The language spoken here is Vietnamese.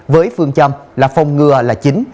với phương châm là phòng ngừa là chính